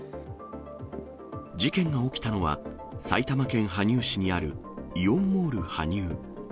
事件が起きたのは、埼玉県羽生市にあるイオンモール羽生。